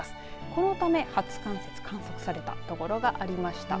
このため初冠雪観測された所がありました。